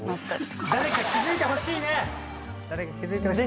誰か気付いてほしいね。ですよね。